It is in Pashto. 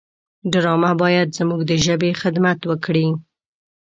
ډرامه باید زموږ د ژبې خدمت وکړي